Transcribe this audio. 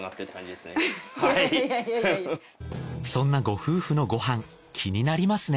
そんなご夫婦のご飯気になりますね。